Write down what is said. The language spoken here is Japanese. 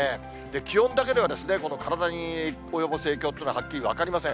気温だけでは、この体に及ぼす影響というのははっきり分かりません。